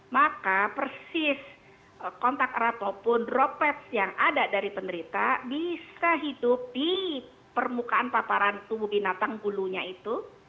maka persis kontak rat ataupun droplet yang ada dari penderita bisa hidup di permukaan paparan tubuh binatang gulunya itu